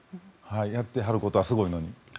やってはることはすごいのに。